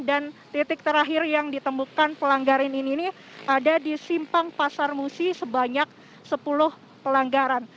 dan titik terakhir yang ditemukan pelanggaran ini ada di simpang pasar musi sebanyak sepuluh pelanggaran